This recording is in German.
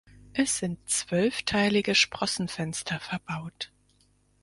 Es sind zwölfteilige Sprossenfenster verbaut.